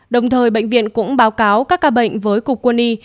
đồng thời bệnh viện cũng báo cáo các ca bệnh với cục quân y